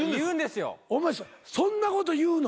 お前そんなこと言うの？